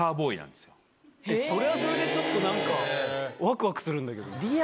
それはそれでちょっとなんかワクワクするんだけど。